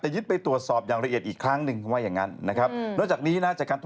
เห็นไหมฮะ๑๔๗คน